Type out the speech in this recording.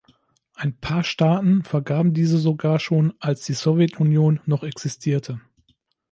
Ein paar Staaten vergaben diese sogar schon, als die Sowjetunion noch existierte.